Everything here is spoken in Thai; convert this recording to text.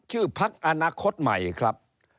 พักอนาคตใหม่ครับ